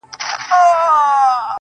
جانان ارمان د هره یو انسان دی والله~